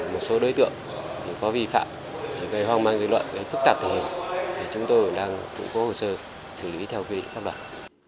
một số đối tượng có vi phạm gây hoang mang gây loạn gây phức tạp chúng tôi đang tụng cố hồ sơ xử lý theo quy định pháp luật